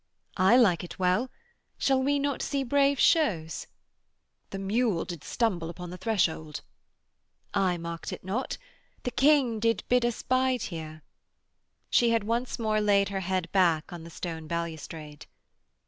'I like it well. Shall we not see brave shews?' 'The mule did stumble on the threshold.' 'I marked it not. The King did bid us bide here.' She had once more laid her head back on the stone balustrade.